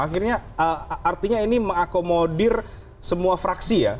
akhirnya artinya ini mengakomodir semua fraksi ya